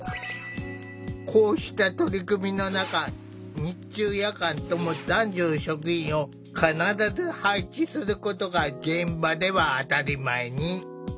こうした取り組みの中日中夜間とも男女の職員を必ず配置することが現場では当たり前に。